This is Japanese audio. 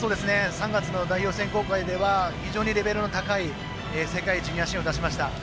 ３月の代表選考会では非常にレベルの高い世界ジュニア新を出しました。